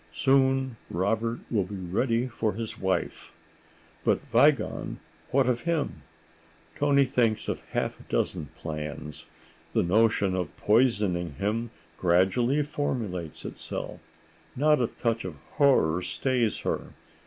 Soon Robert will be ready for his wife. But Wiegand—what of him? Toni thinks of half a dozen plans. The notion of poisoning him gradually formulates itself. Not a touch of horror stays her.